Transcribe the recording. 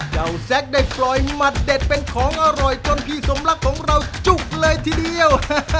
แซ็กได้ปล่อยหมัดเด็ดเป็นของอร่อยจนพี่สมรักของเราจุกเลยทีเดียว